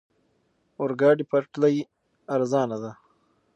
اورګاډي پټلۍ ارزانه ده.